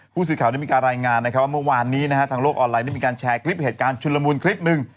ผู้สื่อข่าวได้มีการรายงานนะครับว่าเมื่อวานนี้นะฮะทางโลกออนไลน์ได้มีการแชร์คลิปเหตุการณ์ชุนละมุนคลิปหนึ่ง